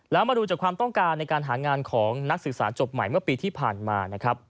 แล้วมาดูจากความต้องการในการหางานของนักศึกษาจบใหม่เมื่อปีที่ผ่านมานะครับ